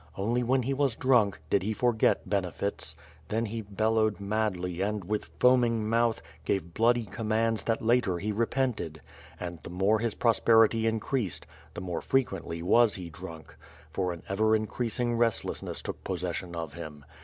Only when he was drunk, did he forget benefits; then he bellowed madly and, with foaming mouth, gave bloody commands that later he repented; and the more his prosperity increased, the more frequently was he dnmk, for an ever increasing restlessness took possession of him.